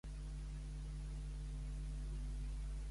Què ha dit Roivas?